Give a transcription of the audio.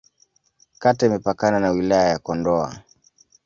Kata imepakana na Wilaya ya Kondoa.